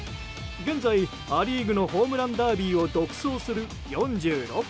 現在、ア・リーグのホームランダービーを独走する４６本。